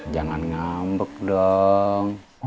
jangan ngambek dong